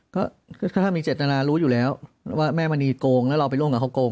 ก็ถ้ามีเจตนารู้อยู่แล้วว่าแม่มณีโกงแล้วเราไปร่วมกับเขาโกง